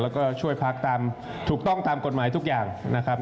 แล้วก็ช่วยพักตามถูกต้องตามกฎหมายทุกอย่างนะครับ